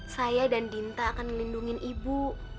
saya dan dinta akan melindungi ibu